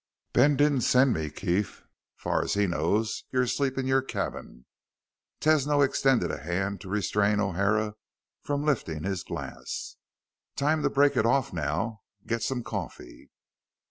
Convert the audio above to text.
"Ben didn't send me, Keef. Far as he knows, you're asleep in your cabin." Tesno extended a hand to restrain O'Hara from lifting his glass. "Time to break it off now, get some coffee."